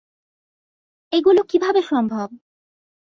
এগুলো কিভাবে সম্ভব?